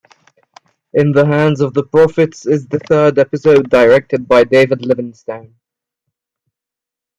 "In the Hands of the Prophets" is the third episode directed by David Livingston.